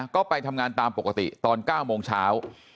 ก็ไปทำงานตามปกติตอน๙โมงเช้า